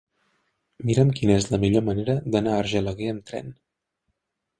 Mira'm quina és la millor manera d'anar a Argelaguer amb tren.